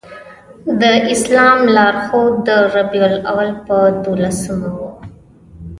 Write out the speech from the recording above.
د اسلام لار ښود د ربیع الاول په دولسمه و.